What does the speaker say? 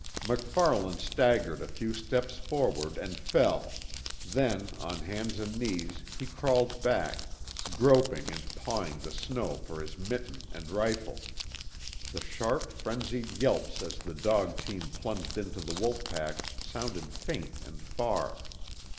MacFarlane staggered a few steps forward and fell, then, on hands and knees he crawled back, groping and pawing the snow for his mitten and rifle. The sharp frenzied yelps as the dog team plunged into the wolf pack sounded faint and far.